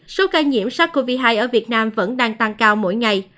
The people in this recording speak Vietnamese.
số ca nhiễm sars cov hai ở việt nam vẫn đang tăng cao mỗi ngày